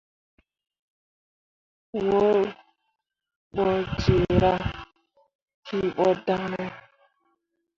Wǝǝ ɓo jerra ki ɓo dan ne ?